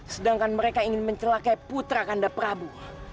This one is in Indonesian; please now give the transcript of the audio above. sedangkan mereka ingin mencelakai putra kanda prabu